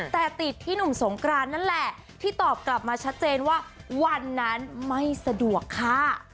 แต่ติดที่หนุ่มสงกรานนั่นแหละที่ตอบกลับมาชัดเจนว่าวันนั้นไม่สะดวกค่ะ